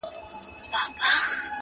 اوس سودايي يمه اوس داسې حرکت کومه”